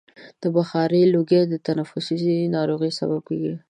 د بخارۍ لوګی د تنفسي ناروغیو سبب ګرځي.